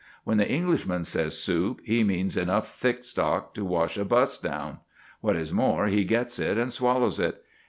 When the Englishman says "soup," he means enough thick stock to wash a bus down. What is more, he gets it and swallows it.